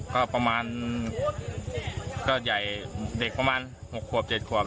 ก็ประมาณก็ใหญ่เด็กประมาณ๖๗ควับได้ครับ